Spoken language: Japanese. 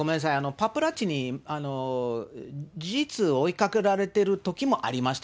パパラッチに事実追いかけられてるときもありました。